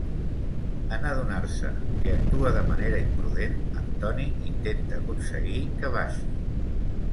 En adonar-se que actua de manera imprudent, en Tony intenta aconseguir que baixi.